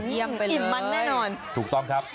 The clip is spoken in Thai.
เยี่ยมไปเลยอิ่มมันแน่นอนถูกต้องครับ